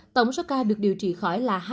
tổng số ca được điều trị khỏi bệnh